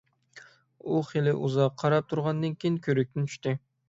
ئۇ خېلى ئۇزاق قاراپ تۇرغاندىن كېيىن، كۆۋرۈكتىن چۈشتى.